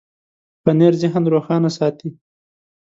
پنېر ذهن روښانه ساتي.